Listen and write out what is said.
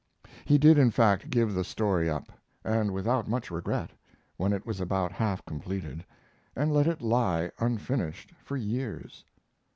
He did, in fact, give the story up, and without much regret, when it was about half completed, and let it lie unfinished for years.